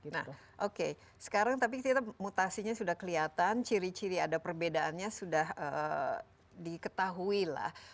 nah oke sekarang tapi kita mutasinya sudah kelihatan ciri ciri ada perbedaannya sudah diketahui lah